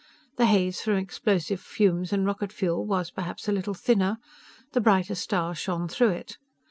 The haze from explosive fumes and rocket fuel was, perhaps, a little thinner. The brighter stars shone through it.